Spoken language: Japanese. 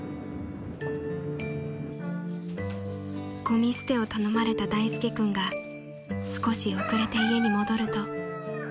［ごみ捨てを頼まれた大介君が少し遅れて家に戻ると］